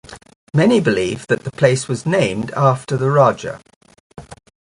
Many believe that the place was named after the Raja.